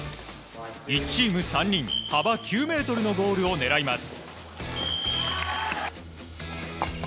１チーム３人幅９ｍのゴールを狙います。